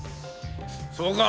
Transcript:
そうか。